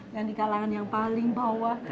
yang di kalangan yang paling bawah